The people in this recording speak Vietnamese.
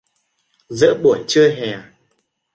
Giữa buổi trưa hè